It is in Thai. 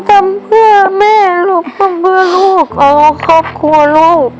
ทำเพื่อแม่ลูกทำเพื่อลูกขอบคุณลูก